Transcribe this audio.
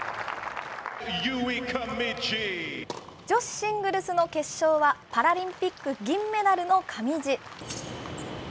女子シングルスの決勝は、パラリンピック銀メダルの上地。